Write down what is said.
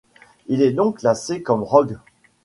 Il est donc classé comme rogue.